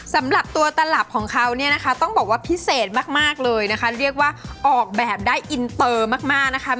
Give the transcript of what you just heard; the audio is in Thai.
สำหรับตัวตลับของเขาเนี่ยนะคะต้องบอกว่าพิเศษมากเลยนะคะเรียกว่าออกแบบได้อินเตอร์มากนะคะ